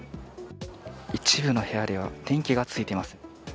一部の部屋では電気がついています。